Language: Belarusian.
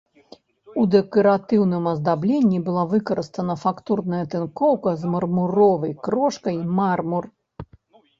У дэкаратыўным аздабленні была выкарыстана фактурная тынкоўка з мармуровай крошкай, мармур.